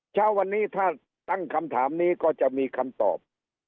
เช้าวันนี้ถ้าตั้งคำถามนี้ก็จะมีคำตอบ